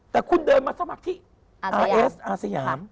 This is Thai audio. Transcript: แต่คุณเดินมาสมัครที่อาเซียม